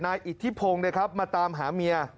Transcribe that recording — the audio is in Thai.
อิทธิพงศ์มาตามหาเมีย